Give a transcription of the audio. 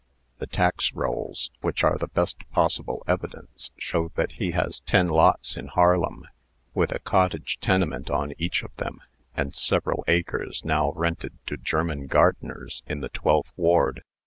The tax rolls, which are the best possible evidence, show that he has ten lots in Harlem, with a cottage tenement on each of them, and several acres now rented to German gardeners in the Twelfth Ward.